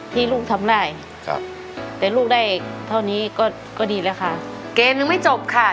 ที่ลูกทำได้แต่ลูกได้เท่านี้ก็ดีแหละค่ะ